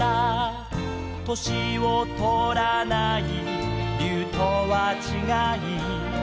「年をとらない竜とはちがい」